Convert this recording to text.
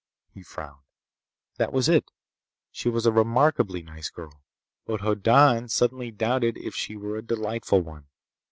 He frowned. That was it. She was a remarkably nice girl. But Hoddan suddenly doubted if she were a delightful one.